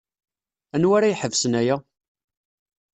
Anwa ara iḥebsen aya?